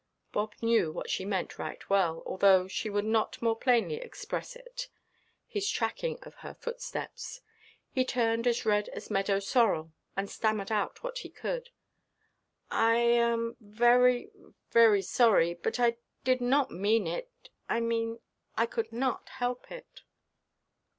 Bob knew what she meant right well, although she would not more plainly express it—his tracking of her footsteps. He turned as red as meadow–sorrel, and stammered out what he could. "I am—very—very sorry. But I did not mean it. I mean—I could not help it."